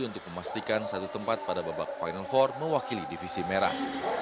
untuk memastikan satu tempat pada babak final empat mewakili divisi merah